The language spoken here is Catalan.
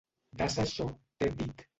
Dassa això t'he dit!